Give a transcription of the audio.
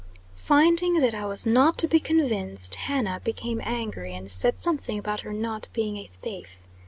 Finding that I was not to be convinced, Hannah became angry, and said something about her not being a "thafe."